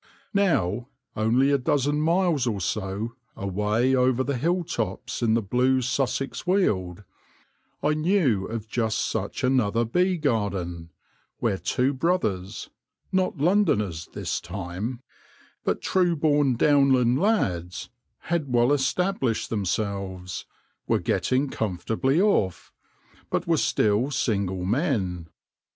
Now, only a dozen miles or so, away over the hill tops in the blue Sussex weald, I knew of just such another bee garden, where two brothers — not Londoners this time, but true born Downland lads — had well established themselves, were getting comfortably off, but were still single men.